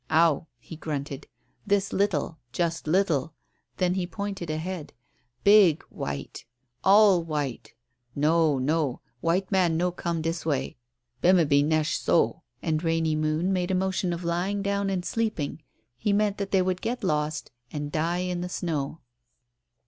"Ow," he grunted. "This little just little." Then he pointed ahead. "Big, white all white. No, no; white man no come dis way. Bimeby neche so," and Rainy Moon made a motion of lying down and sleeping. He meant that they would get lost and die in the snow.